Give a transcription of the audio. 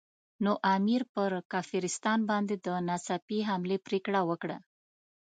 نو امیر پر کافرستان باندې د ناڅاپي حملې پرېکړه وکړه.